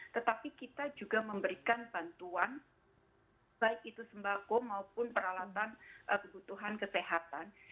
tetapi kita juga memberikan bantuan baik itu sembako maupun peralatan kebutuhan kesehatan